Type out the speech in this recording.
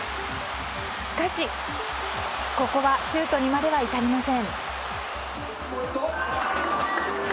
しかし、ここはシュートにまでは至りません。